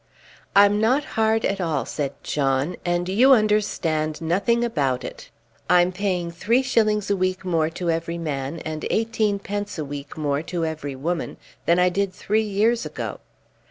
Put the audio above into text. "I'm not hard at all," said John, "and you understand nothing about it. I'm paying three shillings a week more to every man, and eighteen pence a week more to every woman, than I did three years ago."